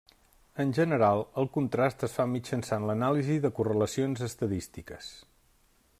En general, el contrast es fa mitjançant l'anàlisi de correlacions estadístiques.